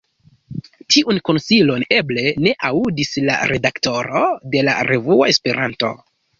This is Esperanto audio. Tiun konsilon eble ne aŭdis la redaktoro de la revuo Esperanto.